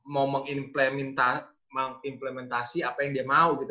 coach rajko mau mengimplementasi apa yang dia mau gitu